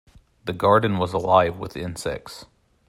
The garden was alive with insects.